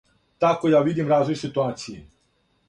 Тако ја видим развој ситуације.